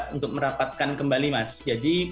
untuk merapatkan kembali mas jadi